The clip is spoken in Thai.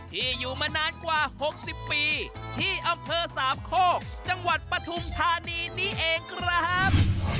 ที่อยู่มานานกว่า๖๐ปีที่อำเภอสามโคกจังหวัดปฐุมธานีนี้เองครับ